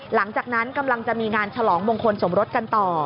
หลังจากนั้นกำลังจะมีงานฉลองมงคลสมรสกันต่อ